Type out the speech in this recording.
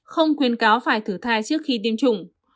không khuyến cáo phải thử thai trước khi tiêm chủng